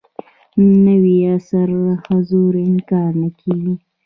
نوي عصر حضور انکار نه کېږي.